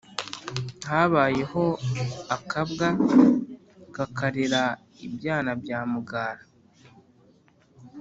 Habayeho akabwa kakarera ibyana bya mugara